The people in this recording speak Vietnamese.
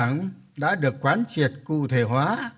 cô đảng đã được quán triệt cụ thể hóa